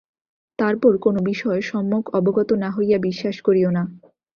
তারপর কোন বিষয় সম্যক অবগত না হইয়া বিশ্বাস করিও না।